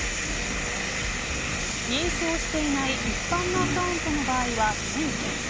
認証していない一般のアカウントの場合は１０００件。